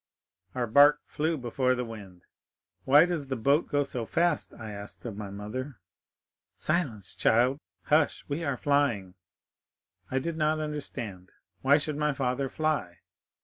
Our bark flew before the wind. 'Why does the boat go so fast?' asked I of my mother. "'Silence, child! Hush, we are flying!' I did not understand. Why should my father fly?